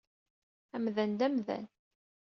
Amdan d aman.